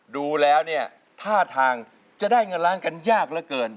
ดูแล้วเนี่ยท่าทางจะได้เงินล้านกันยากเหลือเกิน